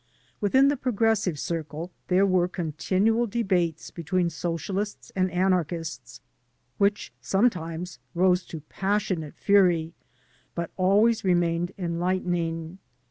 Within the progressive circle there were continual debates between socialists and anarchists, which some times rose to passionate fury, but always remained enlightening.